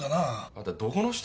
あんたどこの人？